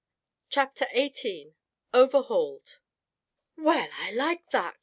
CHAPTER XVIII OVERHAULED "Well, I like that!"